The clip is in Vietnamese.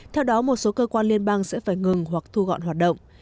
theo đó một số cơ quan liên bang sẽ phải ngừng hoặc thu gọn hoạt động